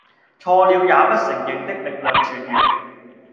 錯了也不承認的力量泉源